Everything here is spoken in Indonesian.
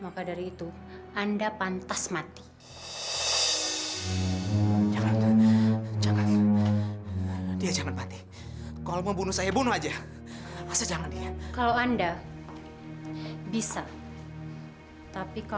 mama gimana berkembang adik adik